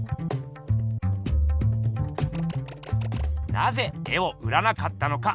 なぜ絵を売らなかったのか。